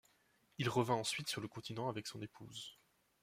Il revint ensuite sur le continent avec son épouse.